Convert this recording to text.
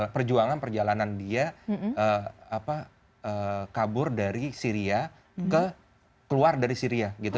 perjuangan perjalanan dia kabur dari syria keluar dari syria gitu